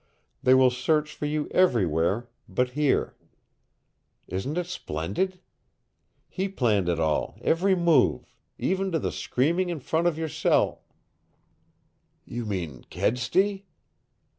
They will search for you everywhere but here! Isn't it splendid? He planned it all, every move, even to the screaming in front of your cell " "You mean Kedsty?"